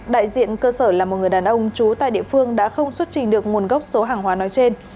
đại diện cơ sở là một người đàn ông trú tại địa phương đã không xuất trình được nguồn gốc số hàng hóa nói trên